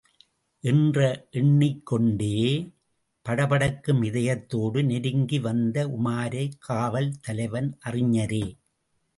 என்ற எண்ணிக் கொண்டே படபடக்கும் இதயத்தோடு நெருங்கி வந்த உமாரை காவல் தலைவன், அறிஞரே!